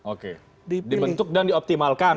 oke dibentuk dan dioptimalkan